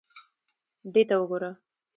دې ته وګوره.